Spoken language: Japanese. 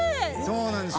そうなんです。